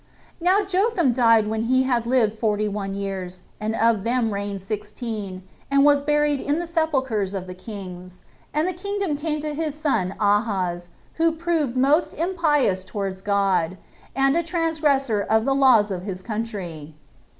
1. Now Jotham died when he had lived forty one years, and of them reigned sixteen, and was buried in the sepulchers of the kings; and the kingdom came to his son Ahaz, who proved most impious towards God, and a transgressor of the laws of his country.